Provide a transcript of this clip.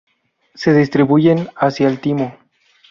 Se distribuyen hacia el timo.